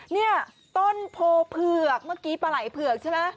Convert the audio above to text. เนี่ยต้นโพเผือกเมื่อกี้ปลาไหล่เผือกใช่ไหม